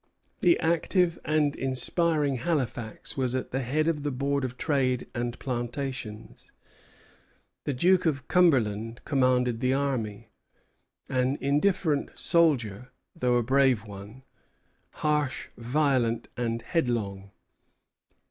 The active and aspiring Halifax was at the head of the Board of Trade and Plantations. The Duke of Cumberland commanded the army, an indifferent soldier, though a brave one; harsh, violent, and headlong.